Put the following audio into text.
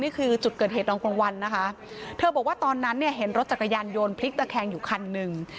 นี่คือจุดเกิดเหตุตอนกลางวันนะคะเธอบอกว่าตอนนั้นเนี่ยเห็นรถจักรยานยนต์พลิกตะแคงอยู่คันหนึ่ง